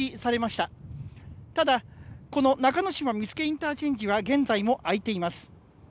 ただ、この中之島見附インターチェンジは現在も開いています。